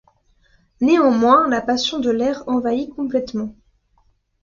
Néanmoins la passion de l'air l'envahit complètement.